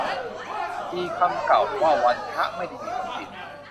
มีคำเก่าว่า วันพระไม่ได้มีหนเดียว